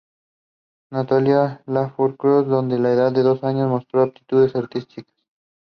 A promise on which the series adaptation only partly delivers.